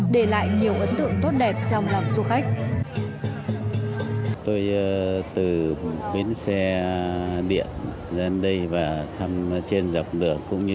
để lại nhiều ấn tượng tốt đẹp trong lòng du khách